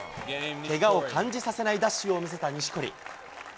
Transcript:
けがを感じさせないダッシュを見せた錦織。